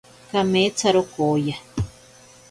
Kametsaro kooya.